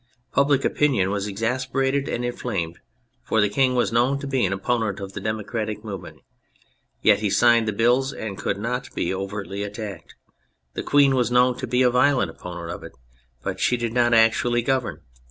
PubHc opinion was exasperated and inflamed, for the King was known to be an opponent of the democratic movement ; yet he signed the bills and could not be overtly attacked. The Queen was known to be a violent opponent of it ; but she did not actually govern.